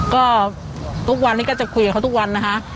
ก็ทุกวันนี้ก็จะคุยกับเขาทุกวันนะคะ